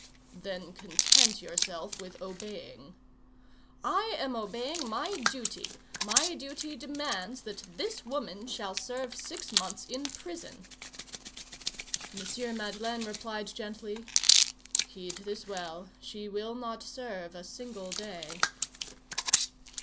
"Then content yourself with obeying." "I am obeying my duty. My duty demands that this woman shall serve six months in prison." M. Madeleine replied gently:— "Heed this well; she will not serve a single day."